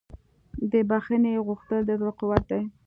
د بښنې غوښتل د زړه قوت دی.